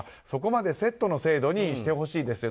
そこまでセットの制度にしてほしいと。